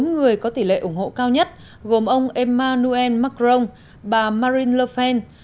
bốn người có tỷ lệ ủng hộ cao nhất gồm ông emmanuel macron bà marine le pen